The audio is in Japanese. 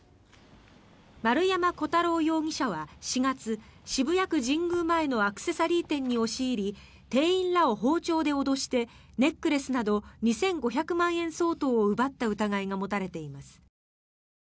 丸山虎太郎容疑者は４月渋谷区神宮前のアクセサリー店に押し入り店員らを包丁で脅してネックレスなど２５００万円相当を奪った疑いが持たれています。